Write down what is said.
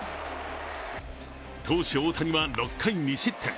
投手・大谷は６回２失点。